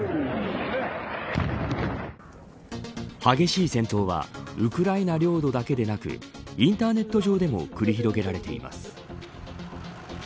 激しい戦闘はウクライナ領土だけでなくインターネット上でも繰り広げられています。